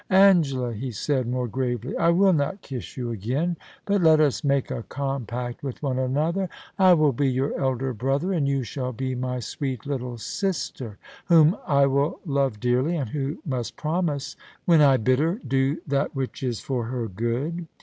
* Angela,' he said, more gravely, * I will not kiss you again, but let us make a compact with one another. I will be your elder brother, and you shall be my sweet little sister, whom I will love dearly, and who must promise to obey me when I bid her do that which is for her good.